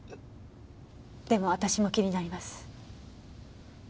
でも私も気になります。